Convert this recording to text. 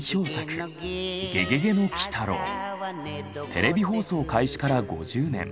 テレビ放送開始から５０年。